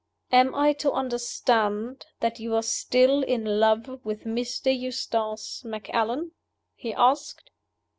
"Am I to understand that you are still in love with Mr. Eustace Macallan?" he asked.